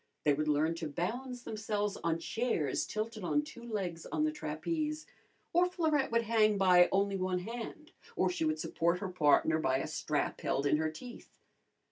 They would learn to balance themselves on chairs tilted on two legs on the trapeze, or Florette would hang by only one hand, or she would support her partner by a strap held in her teeth.